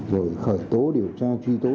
rồi khởi tố điều tra truy tố